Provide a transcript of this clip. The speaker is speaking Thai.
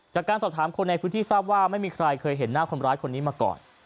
จากการสอบถามคนในพื้นที่ทราบว่าไม่มีใครเคยเห็นหน้าคนร้ายคนนี้มาก่อน